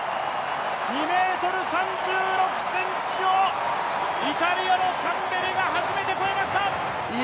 ２ｍ３６ｃｍをイタリアのタンベリが初めて越えました！